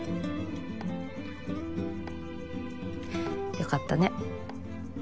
良かったね。